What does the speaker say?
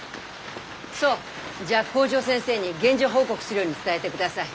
そうじゃあ校長先生に現状報告するように伝えでください。